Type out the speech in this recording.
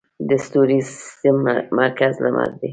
د ستوریز سیستم مرکز لمر دی